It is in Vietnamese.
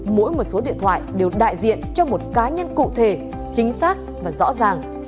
mỗi một số điện thoại đều đại diện cho một cá nhân cụ thể chính xác và rõ ràng